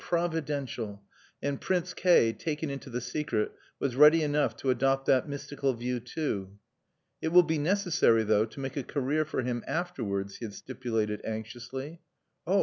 Providential! And Prince K , taken into the secret, was ready enough to adopt that mystical view too. "It will be necessary, though, to make a career for him afterwards," he had stipulated anxiously. "Oh!